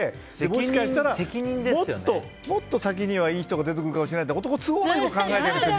もしかしたらもっと先には、いい人が出てくるかもしれないって男は都合良く考えてるんですよ